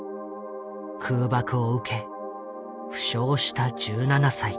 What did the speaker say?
空爆を受け負傷した１７歳。